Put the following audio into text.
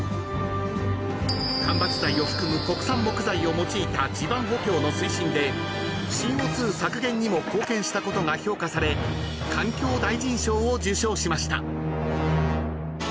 ［間伐材を含む国産木材を用いた地盤補強の推進でＣＯ２削減にも貢献したことが評価され環境大臣賞を受賞しました］